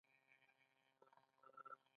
هغه هم دوه پوړیزه ودانۍ وه.